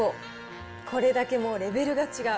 これだけもうレベルが違う。